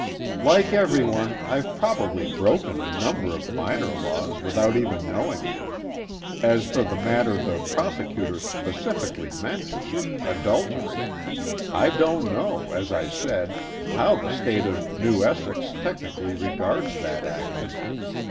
_ "Like everyone, I've probably broken a number of minor laws without even knowing it. As for the matter the prosecutor specifically mentioned, adultery, I don't know, as I said, how the state of New Essex technically regards that action.